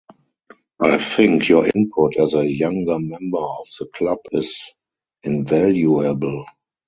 I think your input as a younger member of the club is invaluable